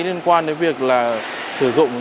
liên quan đến việc sử dụng